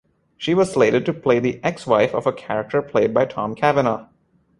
She was slated to play the ex-wife of a character played by Tom Cavanagh.